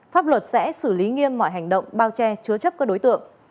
pháp luật sẽ xử lý nghiêm mọi hành động bao che chứa chấp các đối tượng